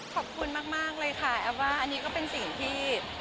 ขอบคุณมากเลยค่ะแอฟว่าอันนี้ก็เป็นสิ่งที่